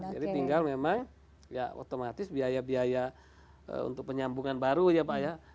jadi tinggal memang ya otomatis biaya biaya untuk penyambungan baru ya pak ya